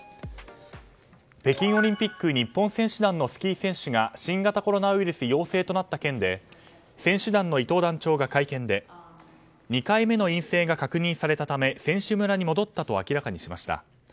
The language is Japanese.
北京オリンピック日本選手団のスキー選手が新型コロナウイルス陽性となった件で選手団の団長が会見で２回目の陰性が確認されたため選手村に戻ったと明らかにしました。